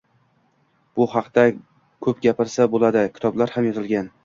Bu haqda ko‘p gapirsa bo‘ladi, kitoblar ham yozilgan